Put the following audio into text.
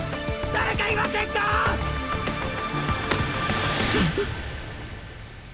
誰か居ませんかッ！